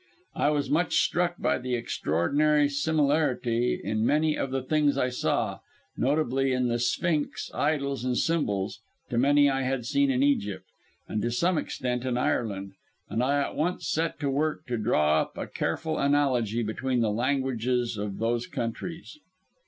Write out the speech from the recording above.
"I was much struck by the extraordinary similarity in many of the things I saw notably in the sphinx, idols and symbols to many I had seen in Egypt, and to some extent in Ireland, and I at once set to work to draw up a careful analogy between the languages of those countries.